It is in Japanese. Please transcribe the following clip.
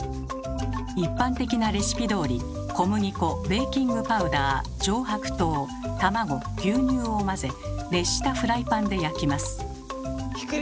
一般的なレシピどおり小麦粉・ベーキングパウダー・上白糖・卵牛乳を混ぜ熱したフライパンで焼きます。